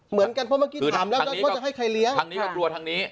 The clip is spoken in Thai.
เหมือนกันเพราะเมื่อกี้ถามแล้วนะว่าจะให้ใครเลี้ยงทางนี้มันกลัวทางนี้